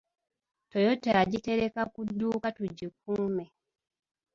Toyota yagitereka ku dduuka tugikuume.